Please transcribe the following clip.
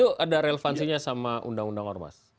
apakah itu bergantinya sama undang undang ormas